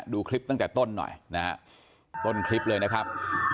ดูคลิปตั้งแต่ต้นหน่อยนะฮะต้นคลิปเลยนะครับ